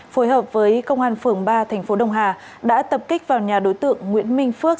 phối hợp với công an phường ba tp đồng hà đã tập kích vào nhà đối tượng nguyễn minh phước